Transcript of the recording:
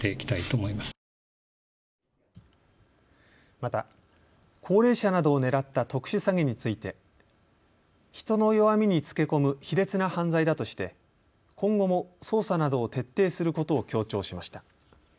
また、高齢者などを狙った特殊詐欺について人の弱みにつけ込む卑劣な犯罪だとして今後も捜査などを徹底することを強調しました。